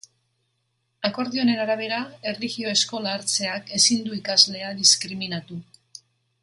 Akordio honen arabera, erlijio eskola hartzeak ezin du ikaslea diskriminatu.